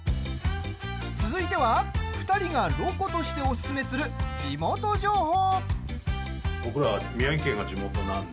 続いては２人がロコとしておすすめする地元情報！